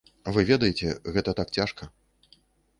Вы ведаеце, гэта так цяжка.